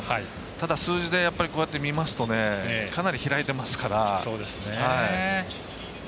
ただ、やっぱり数字で見ますとかなり開いてますから。